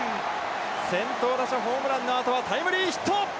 先頭打者ホームランのあとはタイムリーヒット！